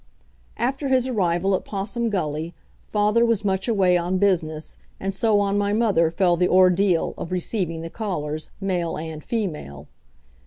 After his arrival at Possum Gully father was much away on business, and so on my mother fell the ordeal of receiving the callers, male and female.